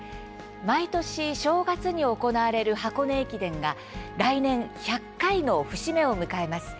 毎年、正月に行われる箱根駅伝が来年１００回の節目を迎えます。